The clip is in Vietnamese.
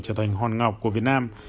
trở thành hòn ngọc của việt nam